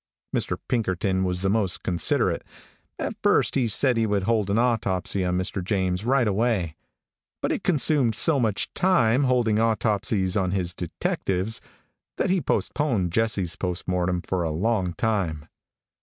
Mr. Pinkerton was the most considerate. At first he said he would hold an autopsy on Mr. James right away, but it consumed so much time holding autopsies on his detectives, that he postponed Jesse's post mortem for a long time.